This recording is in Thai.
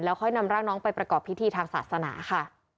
ค่อยนำร่างน้องไปประกอบพิธีทางศาสนาค่ะ